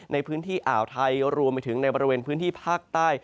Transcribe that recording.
ในพื้นที่อ่าวไทยรวมไปถึงในบริเวณพื้นที่ภาคใต้